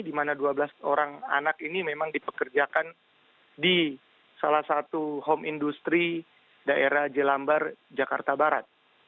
di mana dua belas orang anak ini memang dipekerjakan di salah satu home industry daerah jelambar jakarta barat